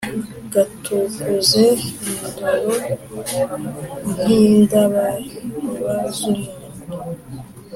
gatukuze indoro nk'indabaruba z' umuko ;